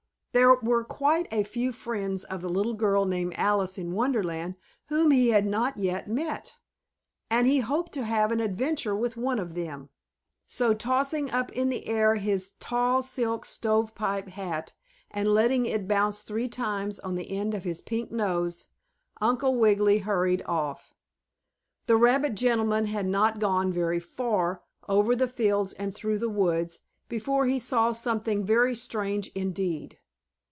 There were quite a few friends of the little girl named Alice in Wonderland whom he had not yet met, and he hoped to have an adventure with one of them. So, tossing up in the air his tall silk stovepipe hat, and letting it bounce three times on the end of his pink nose, Uncle Wiggily hurried off. The rabbit gentleman had not gone very far, over the fields and through the woods, before he saw something very strange indeed.